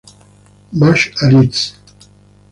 Bach a Liszt.